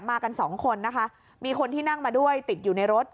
กันสองคนนะคะมีคนที่นั่งมาด้วยติดอยู่ในรถ